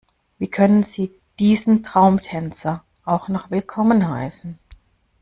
Wie können Sie diesen Traumtänzer auch noch willkommen heißen?